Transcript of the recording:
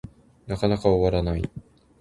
なかなか終わらない